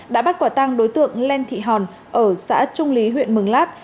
đã bắt quả tăng đối tượng len thị hòn ở xã trung lý huyện mường lát